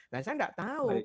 nah saya tidak tahu